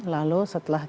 lalu setelah kita